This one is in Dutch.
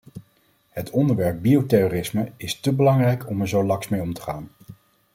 Het onderwerp bioterrorisme is te belangrijk om er zo laks mee om te gaan!